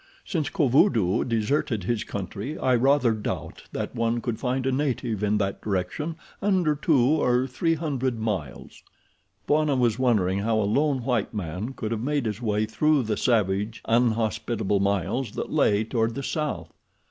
"Since Kovudoo deserted his country I rather doubt that one could find a native in that direction under two or three hundred miles." Bwana was wondering how a lone white man could have made his way through the savage, unhospitable miles that lay toward the south.